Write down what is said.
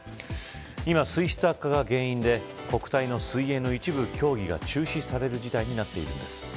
今、水質悪化が原因で国体の水泳の一部、競技が中止される事態になっているんです。